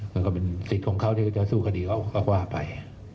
มันก็เป็นสิทธิ์ของเขาที่เขาจะสู้คดีเขาก็ว่าไป